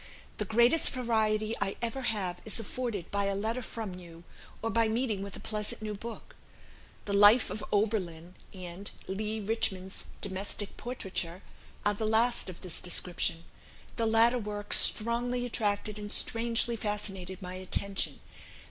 The greatest variety I ever have is afforded by a letter from you, or by meeting with a pleasant new book. The 'Life of Oberlin,' and 'Leigh Richmond's Domestic Portraiture,' are the last of this description. The latter work strongly attracted and strangely fascinated my attention.